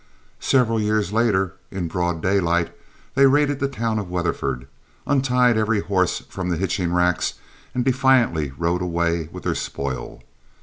Several years later, in broad daylight, they raided the town of Weatherford, untied every horse from the hitching racks, and defiantly rode away with their spoil.